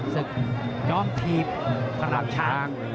สุขยอมทีพสลับช้าง